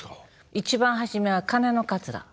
一番初めは金のかつら。